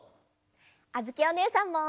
あづきおねえさんも！